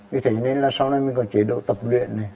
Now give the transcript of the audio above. vì thế nên là sau này mình có chế độ tập luyện này